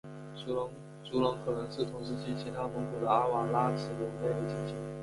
足龙可能是同时期其他蒙古的阿瓦拉慈龙类的近亲。